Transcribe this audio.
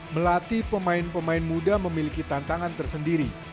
melatih pemain pemain muda memiliki tantangan tersendiri